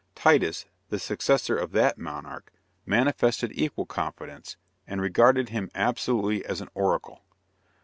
Titus, the successor of that monarch, manifested equal confidence, and regarded him absolutely as an oracle.